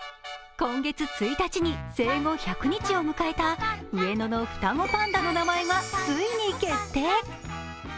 今月１日に生後１００日を迎えた上野の双子パンダの名前がついに決定。